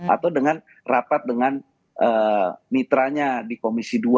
atau dengan rapat dengan mitranya di komisi dua